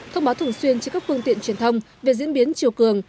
thông báo thường xuyên trên các phương tiện truyền thông về diễn biến chiều cường